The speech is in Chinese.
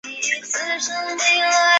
是小泉政权重要的阁员之一。